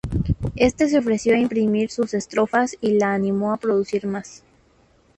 Este se ofreció a imprimir sus estrofas y la animó a producir más.